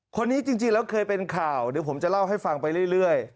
คนนี้จริงแล้วเคยเป็นข่าวเดี๋ยวผมจะเล่าให้ฟังไปเรื่อย